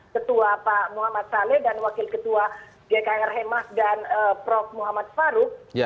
ketua pak muhammad saleh dan wakil ketua gkr hemas dan prof muhammad faruk